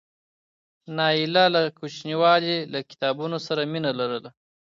نایله له کوچنیوالي له کتابونو سره مینه لرله.